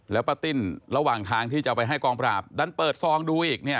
แล้วป้าติ้นระหว่างทางที่จะไปให้กองปราบดันเปิดซองดูอีกเนี่ย